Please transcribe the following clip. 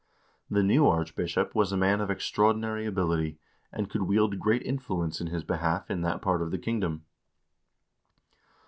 The new archbishop was a man of extraordinary ability, and could wield great influence in his behalf in that part of the king dom.